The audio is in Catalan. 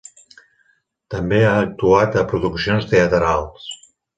També ha actuat a produccions teatrals.